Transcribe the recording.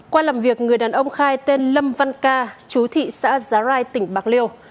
qua làm việc người đàn ông khai tên lâm văn ca chú thị xã giá rai tỉnh bạc liêu